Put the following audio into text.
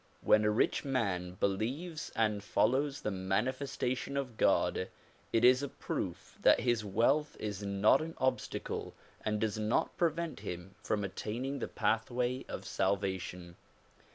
When a rich man believes and follows the manifesta tion of God it is a proof that his wealth is not an obstacle and does not prevent him from attaining the pathway of salvation.